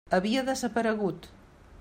Havia desaparegut.